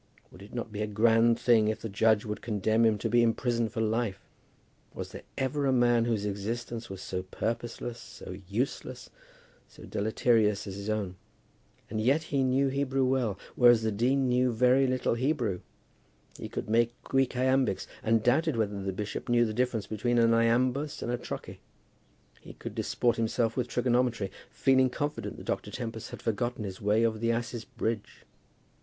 Would it not be a grand thing if the judge would condemn him to be imprisoned for life? Was there ever a man whose existence was so purposeless, so useless, so deleterious, as his own? And yet he knew Hebrew well, whereas the dean knew but very little Hebrew. He could make Greek iambics, and doubted whether the bishop knew the difference between an iambus and a trochee. He could disport himself with trigonometry, feeling confident that Dr. Tempest had forgotten his way over the asses' bridge.